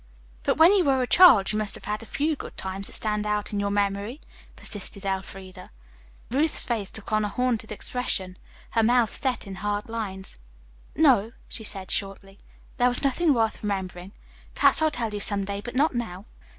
"But when you were a child you must have had a few good times that stand out in your memory," persisted Elfreda. Ruth's face took on a hunted expression. Her mouth set in hard lines. "No," she said shortly. "There was nothing worth remembering. Perhaps I'll tell you some day, but not now.